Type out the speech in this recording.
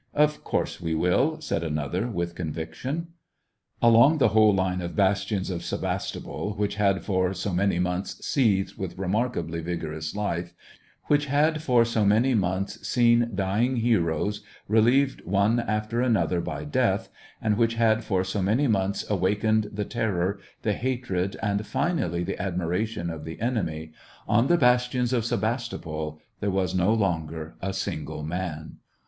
"■ Of course we will !" said another, with con viction. Along the whole line of bastions of Sevastopol, which had for so many months seethed with re markably vigorous life, which had for so many months seen dying heroes relieved one after an other by death, and which had for so many months awakened the terror, the hatred, and finally the SEVASTOPOL IN AUGUST. 259 admiration of the enemy, — on ^the bastions of Sevastopol, there was no longer a single man.